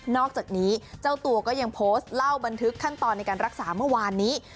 อกจากนี้เจ้าตัวก็ยังโพสต์เล่าบันทึกขั้นตอนในการรักษาเมื่อวานนี้